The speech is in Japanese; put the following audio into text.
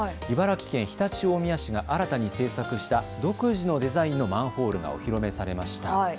茨城県常陸大宮市が新たに製作した独自のデザインのマンホールがお披露目されました。